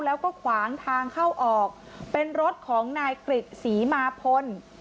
แล้วก็ขวางทางเข้าออกเป็นรถของนายกริจศรีมาพล